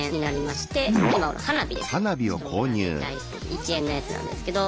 １円のやつなんですけど。